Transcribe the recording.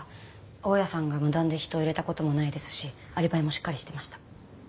大家さんが無断で人を入れたこともないですしアリバイもしっかりしてました。